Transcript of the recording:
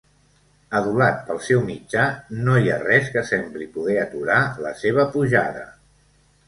Adulat pel seu mitjà, no hi ha res que sembli poder aturar la seva pujada.